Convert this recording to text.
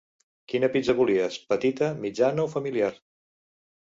Quina pizza volies, petita, mitjana o familiar?